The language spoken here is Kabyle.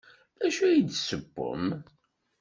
D acu ay d-tessewwem?